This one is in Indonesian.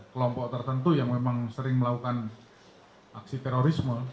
kelompok tertentu yang memang sering melakukan aksi terorisme